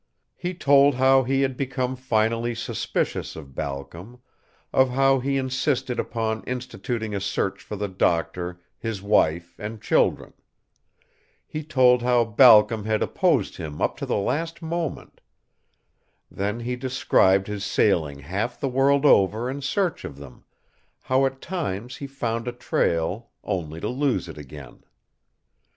He told how he had become finally suspicious of Balcom, of how he insisted upon instituting a search for the doctor, his wife, and children. He told how Balcom had opposed him up to the last moment. Then he described his sailing half the world over in search of them, how at times he found a trail, only to lose it again.